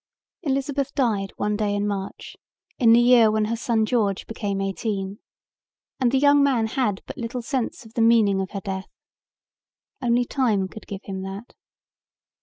Elizabeth died one day in March in the year when her son George became eighteen, and the young man had but little sense of the meaning of her death. Only time could give him that.